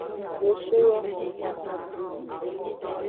Nusu yo.